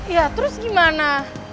ya terus gimana